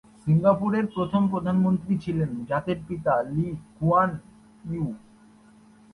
সিঙ্গাপুরের প্রথম প্রধানমন্ত্রী ছিলেন জাতির পিতা লি কুয়ান ইউ।